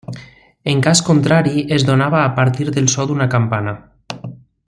En cas contrari, es donava a partir del so d'una campana.